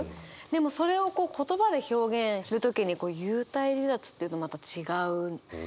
でもそれを言葉で表現する時に「幽体離脱」というのもまた違うな。